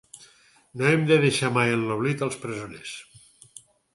No hem de deixar mai en l’oblit els presoners.